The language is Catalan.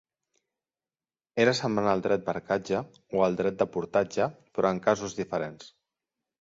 Era semblant al dret barcatge o al dret de portatge, però en casos diferents.